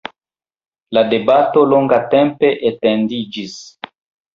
La debato longatempe etendiĝis.